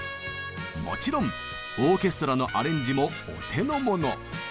もちろんオーケストラのアレンジもお手の物。